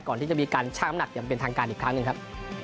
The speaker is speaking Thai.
ก่อนที่จะมีการช่างน้ำหนักอย่างเป็นทางการอีกครั้งหนึ่งครับ